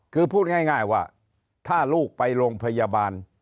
คือพูดง่ายว่าถ้าลูกไปโรงพยาบาล